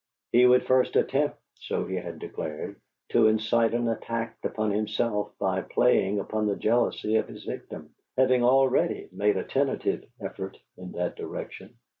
He would first attempt, so he had declared, to incite an attack upon himself by playing upon the jealousy of his victim, having already made a tentative effort in that direction.